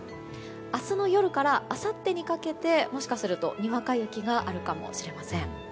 明日の夜からあさってにかけてもしかするとにわか雪があるかもしれません。